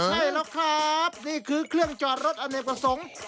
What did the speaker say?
ใช่ครับนี่คือเครื่องจอดรถอเมปกับส่ง